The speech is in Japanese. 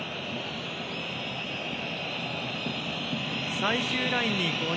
最終ラインに５人。